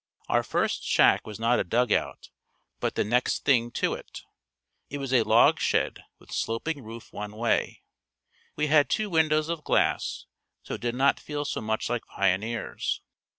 Our first shack was not a dugout, but the next thing to it. It was a log shed with sloping roof one way. We had two windows of glass so did not feel so much like pioneers.